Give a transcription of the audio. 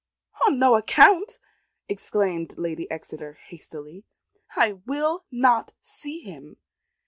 "On no account," exclaimed Lady Exeter hastily; "I will not see him.